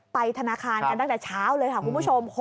ไปธนาคารกันตั้งแต่เช้าเลยค่ะคุณผู้ชม